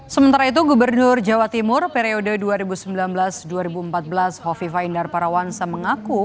sementara itu gubernur jawa timur periode dua ribu sembilan belas dua ribu empat belas hovifa indar parawansa mengaku